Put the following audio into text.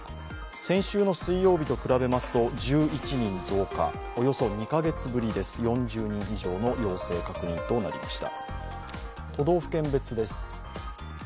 先週の水曜日と比べますと１１人増加、およそ２カ月ぶりです、４０人以上の陽性確認となりました。